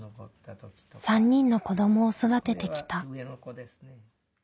３人の子どもを育ててきた。